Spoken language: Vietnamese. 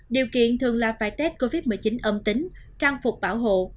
điều kiện thường là phải tết covid một mươi chín âm tính trang phục bảo hộ